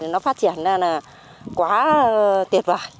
nó phát triển ra là quá tuyệt vời